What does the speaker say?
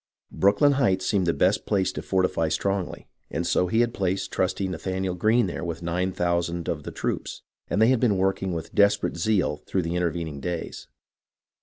Brooklyn Heights seemed to be the best place to fortify strongly, and so he had placed trusty Nathanael Greene there with nine thousand of the troops, and they had been working with desperate zeal through the intervening days.